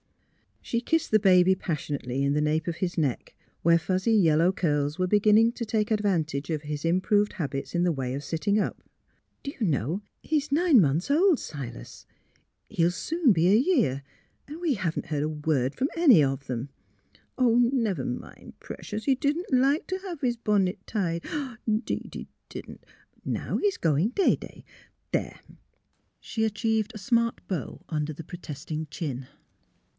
" She kissed the baby passionately in the nape of his neck, where fuzzy yellow curls were be ginning to take advantage of his improved habits in the way of sitting up. '' Do you know he's nine months old, Silas? He'll soon be a year; and we haven't heard a word from any of them. ... Never mind, Pre cious, he didn't like to have his bonnet tied; 'deed he didn't; but now he's going day day. ... There! " She achieved a smart bow under the protesting chin.